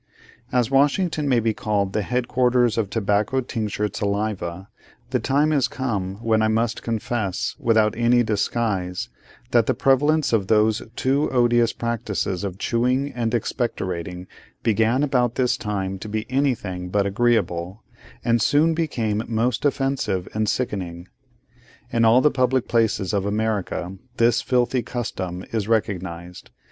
As Washington may be called the head quarters of tobacco tinctured saliva, the time is come when I must confess, without any disguise, that the prevalence of those two odious practices of chewing and expectorating began about this time to be anything but agreeable, and soon became most offensive and sickening. In all the public places of America, this filthy custom is recognised.